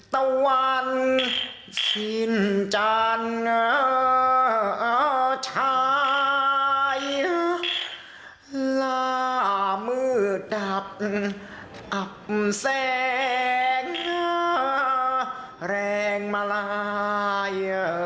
จินจันทรายล่ามืดดับอับแสงแรงมาลาย